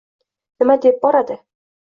Nima deb boradi